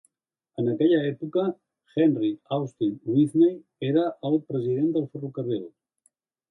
En aquella època, Henry Austin Whitney era el president del ferrocarril.